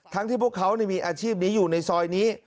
ที่พวกเขามีอาชีพนี้อยู่ในซอยนี้